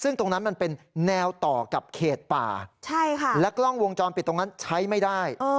ซึ่งตรงนั้นมันเป็นแนวต่อกับเขตป่าใช่ค่ะและกล้องวงจรปิดตรงนั้นใช้ไม่ได้